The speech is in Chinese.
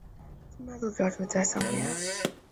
萨摩亚族主要居住于萨摩亚。